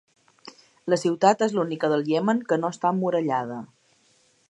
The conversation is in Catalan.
La ciutat és l'única del Iemen que no està emmurallada.